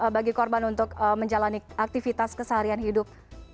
bagi korban untuk menjalani aktivitas keseharian hidup